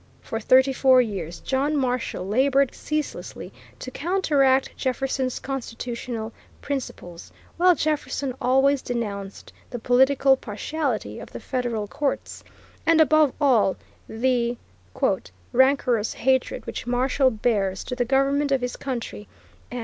For thirty four years John Marshall labored ceaselessly to counteract Jefferson's constitutional principles, while Jefferson always denounced the political partiality of the federal courts, and above all the "rancorous hatred which Marshall bears to the government of his country, and